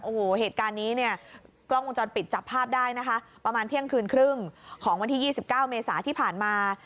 โอ้โหเหตุการณ์นี้เนี่ยกล้องวงจรปิดจับภาพได้นะคะประมาณเที่ยงคืนครึ่งของวันที่๒๙เมษาที่ผ่านมา